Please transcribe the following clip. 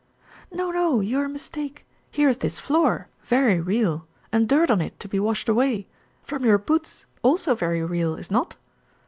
"No, no, you are mistake. Here is this floor, very real, and dirt on it to be washed away, from your boots, also very real, is not?